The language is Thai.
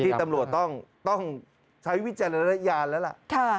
ตำรวจต้องใช้วิจารณญาณแล้วล่ะ